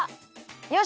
よし！